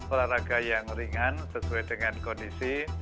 olahraga yang ringan sesuai dengan kondisi